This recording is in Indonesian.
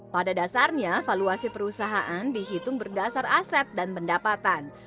pada dasarnya valuasi perusahaan dihitung berdasar aset dan pendapatan